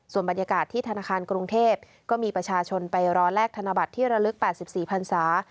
ส่วนบรรยากาศที่ธนาคารกรุงเทพก็มีประชาชนไปรอแลกธนบัตรที่ระลึก๘๔พันศา